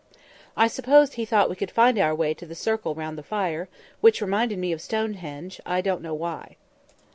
I suppose he thought we could find our way to the circle round the fire, which reminded me of Stonehenge, I don't know why.